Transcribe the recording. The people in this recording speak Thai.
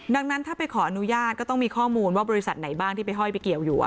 ดังนั้นถ้าไปขออนุญาตก็ต้องมีข้อมูลว่าบริษัทไหนบ้างที่ไปห้อยไปเกี่ยวอยู่